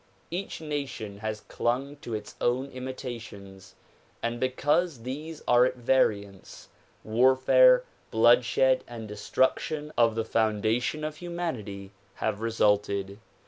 Each nation has clung to its own imitations and because these are at variance, warfare, bloodshed and destruc tion of the foundation of humanity have resulted.